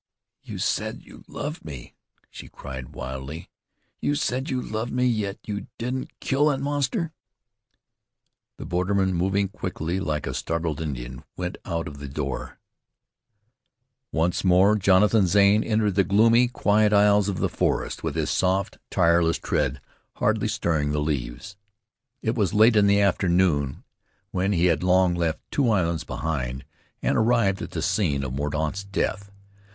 "You said you loved me," she cried wildly. "You said you loved me, yet you didn't kill that monster!" The borderman, moving quickly like a startled Indian, went out of the door. Once more Jonathan Zane entered the gloomy, quiet aisles of the forest with his soft, tireless tread hardly stirring the leaves. It was late in the afternoon when he had long left Two Islands behind, and arrived at the scene of Mordaunt's death.